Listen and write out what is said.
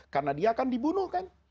karena dia akan dibunuh kan